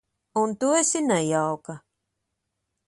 Un tu esi nejauka.